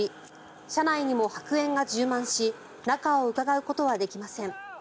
車内にも白煙が充満し中をうかがうことはできません。